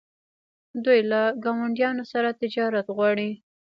دوی له ګاونډیانو سره تجارت غواړي.